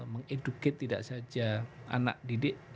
mengedukasi tidak saja anak didik